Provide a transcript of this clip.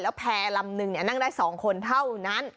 แล้วแพร่ลำนึงเนี่ยนั่งได้สองคนเท่านั้น